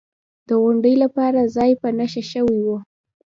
د غونډې لپاره ځای په نښه شوی و.